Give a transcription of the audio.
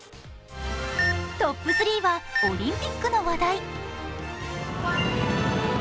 トップ３はオリンピックの話題。